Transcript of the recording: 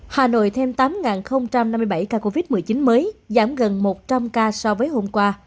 hà nội thêm tám năm mươi bảy ca covid một mươi chín mới giảm gần một trăm linh ca so với hôm qua